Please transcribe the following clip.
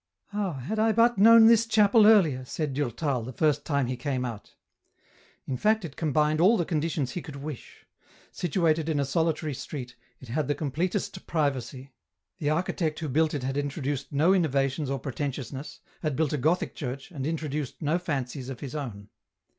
" Ah, had I but known this chapel earlier," said Durtal, the first time he came out. In fact it combined all the conditions he could wish. Situated in a solitary street, it had the completest privacy. The architect who built it had introduced no innovations or pretentiousness, had built a Gothic church, and introduced no fancies of his own.